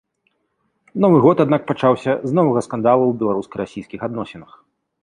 Новы год, аднак, пачаўся з новага скандалу ў беларуска-расійскіх адносінах.